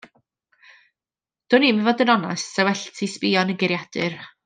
Dwnim i fod yn onast 'sa well ti sbïo yn y geiriadur.